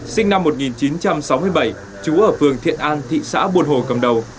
sinh năm một nghìn chín trăm sáu mươi bảy chú ở phường thiện an thị xã buôn hồ cầm đầu